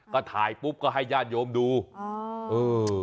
ก็ถ่ายปุ๊บก็ให้ญาติโยมดูอ๋อเออ